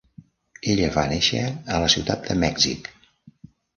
Ella va néixer a la Ciutat de Mèxic.